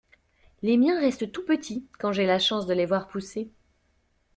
Les miens restent tout petits, quand j’ai la chance de les voir pousser.